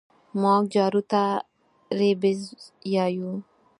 مونږ جارو ته رېبز يايو